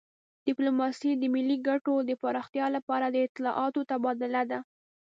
ډیپلوماسي د ملي ګټو د پراختیا لپاره د اطلاعاتو تبادله ده